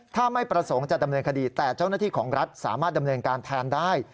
ถ้าไม่ประสงค์จะดำเนินคดีแต่เจ้าหน้าที่ของรัฐสามารถดำเนินการแทนได้